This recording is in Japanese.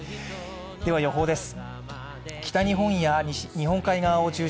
では予報です。